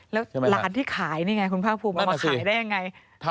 แล้วร้านที่ขายนี่ไงคุณภาคภูมิเอามาขายได้ยังไง